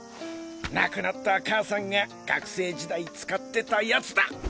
亡くなった母さんが学生時代使ってたやつだ。